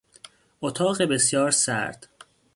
اتاق بسیار سرد